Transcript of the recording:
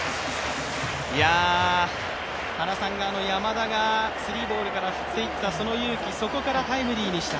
原さんが山田がスリーボールから振っていったその勇気、そこからタイムリーでした。